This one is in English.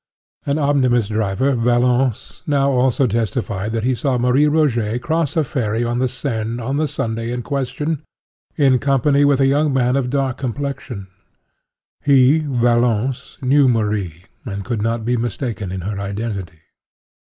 An omnibus driver, Valence, (*13) now also testified that he saw Marie Rogêt cross a ferry on the Seine, on the Sunday in question, in company with a young man of dark complexion. He, Valence, knew Marie, and could not be mistaken in her identity.